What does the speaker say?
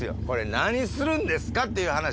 何するんですかっていう話。